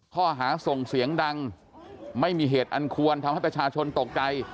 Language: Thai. ข้อหาส่งเสียงดังไม่มีเหตุอันควรทำให้ประชาชนตกใจ